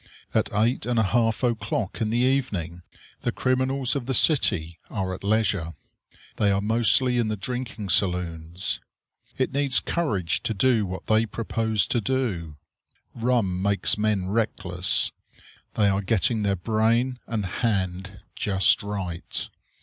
At eight and a half o'clock in the evening the criminals of the city are at leisure. They are mostly in the drinking saloons. It needs courage to do what they propose to do. Rum makes men reckless. They are getting their brain and hand just right.